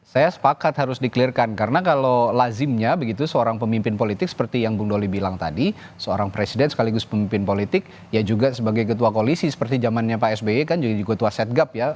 saya sepakat harus di clear kan karena kalau lazimnya begitu seorang pemimpin politik seperti yang bung doli bilang tadi seorang presiden sekaligus pemimpin politik ya juga sebagai ketua koalisi seperti zamannya pak sby kan jadi ketua setgap ya